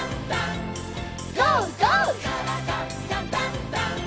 「からだダンダンダン」